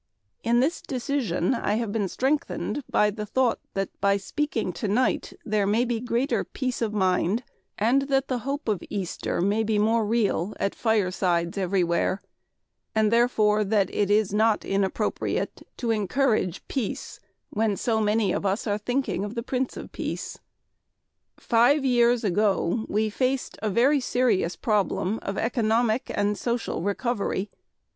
In this decision I have been strengthened by the thought that by speaking tonight there may be greater peace of mind and that the hope of Easter may be more real at firesides everywhere, and therefore that it is not inappropriate to encourage peace when so many of us are thinking of the Prince of Peace. Five years ago we faced a very serious problem of economic and social recovery.